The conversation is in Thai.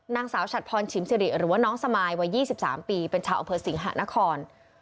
นางสาวฉัดพรชิมสิริหรือว่าน้องสมายวัย๒๓ปีเป็นชาวอำเภอสิงหะนคร